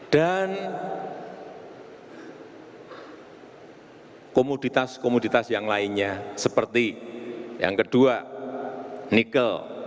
dan kita kerjakan sendiri